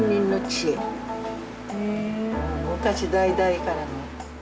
昔代々からの。